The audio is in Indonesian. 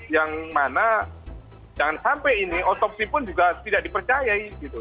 yang mana jangan sampai ini otopsi pun juga tidak dipercayai gitu